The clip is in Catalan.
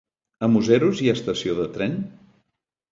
A Museros hi ha estació de tren?